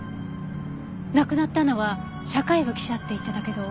亡くなったのは社会部記者って言ってたけど。